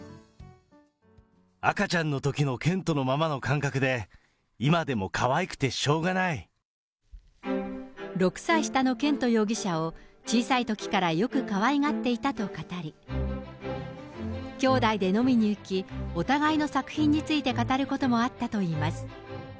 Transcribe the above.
赤ちゃんのときの絢斗のままの感覚で、今でもかわいくてしょ６歳下の絢斗容疑者を、小さいときからよくかわいがっていたと語り、兄弟で飲みに行き、お互いの作品について語ることもあったといいます。